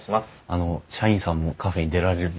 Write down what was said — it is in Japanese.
あの社員さんもカフェに出られるんですね。